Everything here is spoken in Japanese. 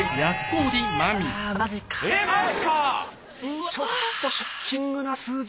うわちょっとショッキングな数字。